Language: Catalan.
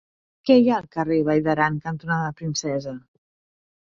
Què hi ha al carrer Vall d'Aran cantonada Princesa?